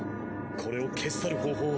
これを消し去る方法を。